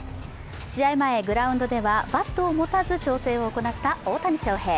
試合前、グラウンドではバットを持たず調整を行った大谷翔平。